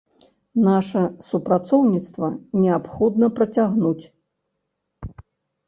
Наша супрацоўніцтва неабходна працягнуць.